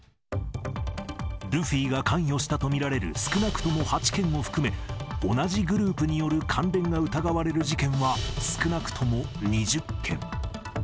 ルフィが関与したと見られる少なくとも８件を含め、同じグループによる関連が疑われる事件は、少なくとも２０件。